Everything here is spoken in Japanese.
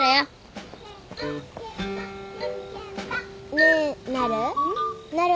ねえなる。